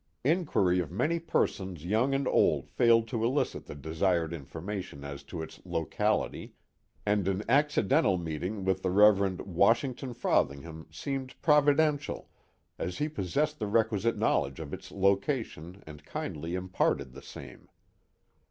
Inquiry of many persons young and old failed to elicit the desired information as to its locality, and an accidental meet ing with the Rev. Washington Frothingham seemed providen tial, as he possessed the requisite knowledge of its location and kindly imparted the same.